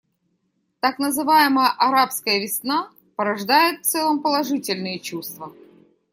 Так называемая «арабская весна» порождает в целом положительные чувства.